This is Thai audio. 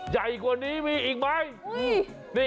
ใหญ่กว่านี้มีอีกไหม